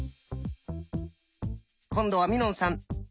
今度はみのんさん。